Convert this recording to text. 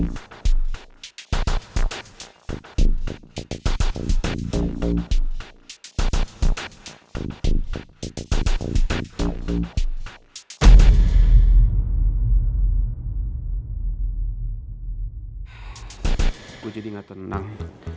gue jadi gak tenang